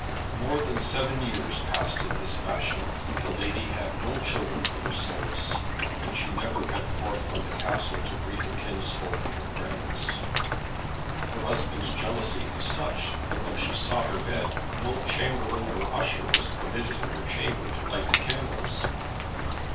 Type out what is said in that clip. More than seven years passed in this fashion. The lady had no children for her solace, and she never went forth from the castle to greet her kinsfolk and her friends. Her husband's jealousy was such that when she sought her bed, no chamberlain or usher was permitted in her chamber to light the candles.